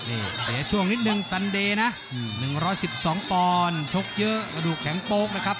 นี่เสียช่วงนิดนึงสันเดย์นะ๑๑๒ปอนด์ชกเยอะกระดูกแข็งโป๊กนะครับ